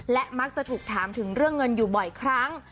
และมักจะถูกถามถึงเรื่องเงินอยู่บ่อยครั้ง